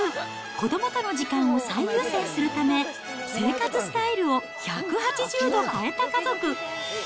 子どもとの時間を最優先するため、生活スタイルを１８０度変えた家族。